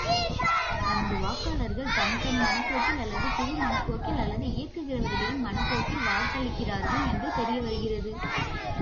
நமது வாக்காளர்கள் தம்தம் மனப்போக்கில் அல்லது குழு மனப்போக்கில் அல்லது இயக்குகிறவர்களின் மனப் போக்கில் வாக்களிக்கிறார்கள் என்று தெரியவருகிறது.